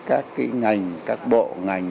các cái ngành các bộ ngành